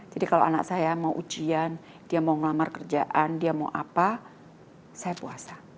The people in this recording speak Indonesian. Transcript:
jadi kalau anak saya mau ujian dia mau ngelamar kerjaan dia mau apa saya puasa